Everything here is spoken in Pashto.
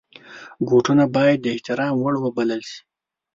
بوټونه باید د احترام وړ وبلل شي.